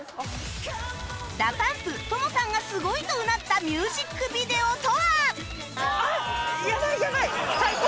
ＤＡＰＵＭＰＴＯＭＯ さんがすごいとうなったミュージックビデオとは？